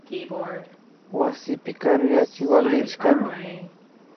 Wasipi karuyachik wakllirishkami